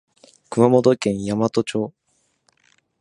熊本県山都町